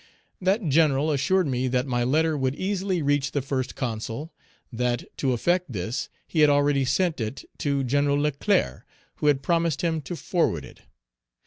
That General assured me that my letter would easily reach the First Consul, that, to effect this, he had already sent it to Gen. Leclerc, who had promised him to forward it.